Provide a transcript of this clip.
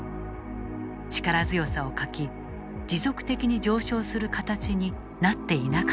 力強さを欠き持続的に上昇する形になっていなかった。